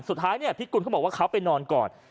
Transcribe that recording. สุดท้ายเนี่ยพิกุลเขาบอกว่าเขาไปนอนก่อน